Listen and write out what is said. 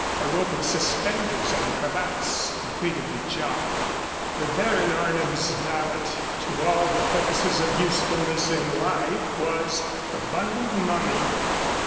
A rope of suspenders and cravats completed the job. The Baron Arnim's valet, to all the purposes of usefulness in life, was a bundled mummy.